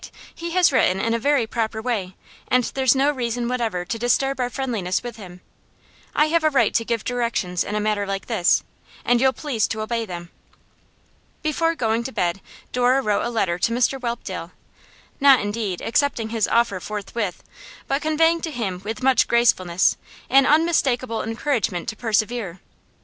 He has written in a very proper way, and there's no reason whatever to disturb our friendliness with him. I have a right to give directions in a matter like this, and you'll please to obey them.' Before going to bed Dora wrote a letter to Mr Whelpdale, not, indeed, accepting his offer forthwith, but conveying to him with much gracefulness an unmistakable encouragement to persevere.